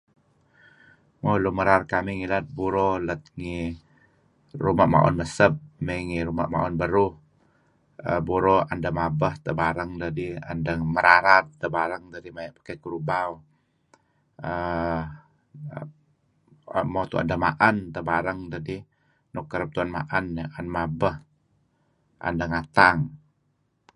Mo Lun Merar kamih ngilad buro lat ngi Ruma Maun Meseb may ngi Ruma' Maun Beruh, buro tuen deh mabeh barang dedih tuen deh merarad teh barang dedih maya' kerubau uhm. Mo tuen deh maen teh barang dedih nuk kereb tuen maen dedih un mabeh, un deh ngatang.